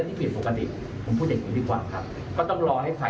สิ่งที่แม่ทำอยู่ตอนที่ตอนที่แม่เขาต่อกภาพชีวิตว่า